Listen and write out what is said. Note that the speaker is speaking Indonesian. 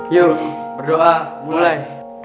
yuk berdoa mulai